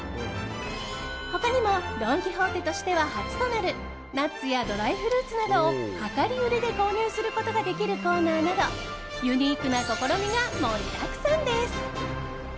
他にもドン・キホーテとしては初となるナッツやドライフルーツなどを量り売りで購入することができるコーナーなどユニークな試みが盛りだくさんです。